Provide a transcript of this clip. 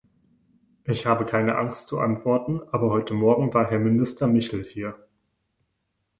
Ich habe keine Angst zu antworten, aber heute Morgen war Herr Minister Michel hier.